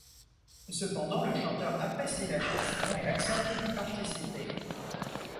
Cependant, le chanteur apprécie la chanson et accepte d'y participer.